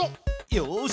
よし！